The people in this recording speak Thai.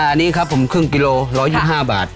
อันนี้ครับผมครึ่งกิโล๑๒๕บาท